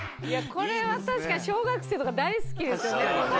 これは確かに小学生とか大好きですよねこんな演出ね。